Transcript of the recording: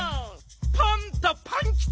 パンタパンキチ！